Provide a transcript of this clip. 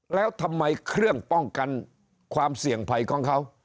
แล้วทำไมเครื่องป้องกันความเสี่ยงภัยของเขา